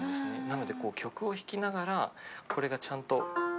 なのでこう曲を弾きながらこれがちゃんと。